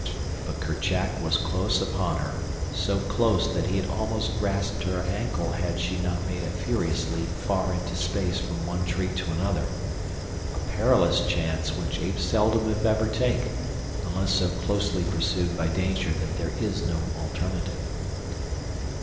But Kerchak was close upon her, so close that he had almost grasped her ankle had she not made a furious leap far into space from one tree to another—a perilous chance which apes seldom if ever take, unless so closely pursued by danger that there is no alternative.